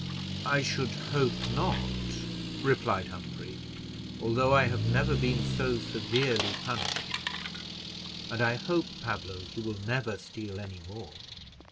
"I should hope not," replied Humphrey, "although I have never been so severely punished: and I hope, Pablo, you will never steal any more."